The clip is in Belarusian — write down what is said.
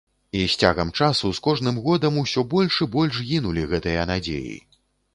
І з цягам часу, з кожным годам усё больш і больш гінулі гэтыя надзеі.